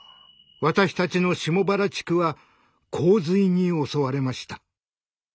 私たちの下原地区は洪水に襲われました。